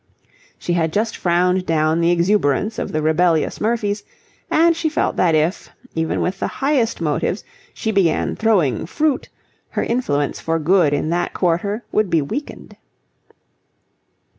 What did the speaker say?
She had just frowned down the exuberance of the rebellious Murphys, and she felt that if, even with the highest motives, she began throwing fruit, her influence for good in that quarter would be weakened.